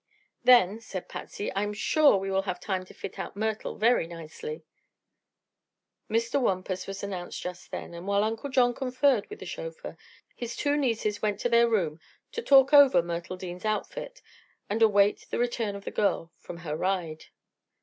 "Then," said Patsy, "I'm sure we shall have time to fit out Myrtle very nicely." Mr. Wampus was announced just then, and while Uncle John conferred with the chauffeur his two nieces went to their room to talk over Myrtle Dean's outfit and await the return of the girl from her ride.